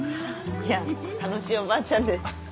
いや楽しいおばあちゃんで。